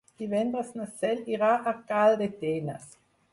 Divendres na Cel irà a Calldetenes.